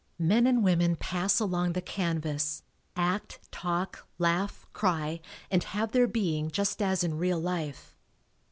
Men and women pass along the canvas, act, talk, laugh, cry and "have their being" just as in real life.